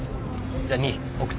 じゃあニィ送って。